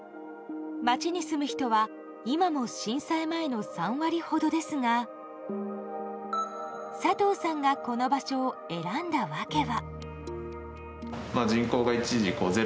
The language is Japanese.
町に住む人は今も震災前の３割ほどですが佐藤さんがこの場所を選んだ訳は。